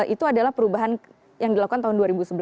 itu adalah perubahan yang dilakukan tahun dua ribu sebelas